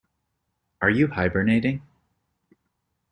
Are you hibernating?